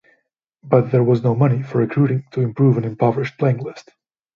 But there was no money for recruiting to improve an impoverished playing list.